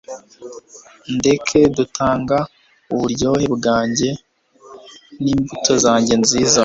ndeke gutanga uburyohe bwanjye n'imbuto zanjye nziza